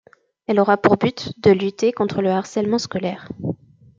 Elle aura pour but de lutter contre le harcèlement scolaire.